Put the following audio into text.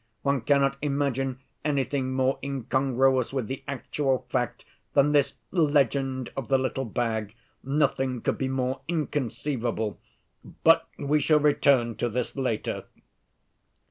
One cannot imagine anything more incongruous with the actual fact than this legend of the little bag. Nothing could be more inconceivable. But we shall return to that later."